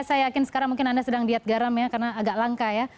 saya yakin sekarang mungkin anda sedang diet garam ya karena agak langka ya